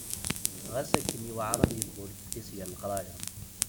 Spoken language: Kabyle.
Ɣas akken yuɛer ad yebḍu lweqt-is gar leqraya.